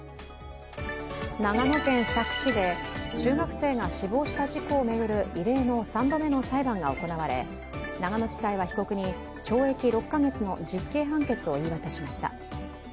長野県佐久市で中学生が死亡した事故を巡る異例の３度目の裁判が行われ、長野地裁は被告に懲役６か月の実刑判決を言い渡しました。